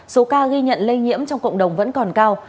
số ca ghi nhận lây nhiễm trong cộng đồng vẫn còn cao